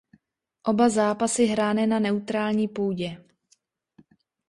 Oba zápasy hrány na neutrální půdě.